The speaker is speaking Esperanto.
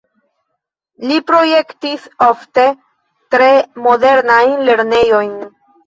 Li projektis ofte tre modernajn lernejojn.